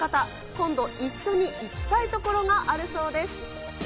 今度一緒に行きたい所があるそうです。